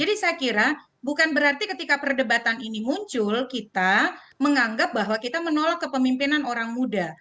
jadi saya kira bukan berarti ketika perdebatan ini muncul kita menganggap bahwa kita menolak kepemimpinan orang muda